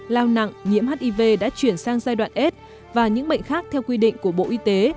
lao nặng nhiễm hiv đã chuyển sang giai đoạn s và những bệnh khác theo quy định của bộ y tế